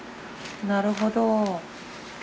なるほど。